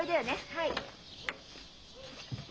はい。